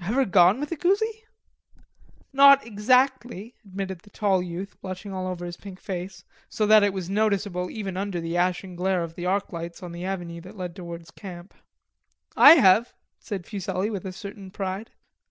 "Ever gone with a coosie?" "Not exactly," admitted the tall youth, blushing all over his pink face, so that it was noticeable even under the ashen glare of the arc lights on the avenue that led towards camp. "I have," said Fuselli, with a certain pride.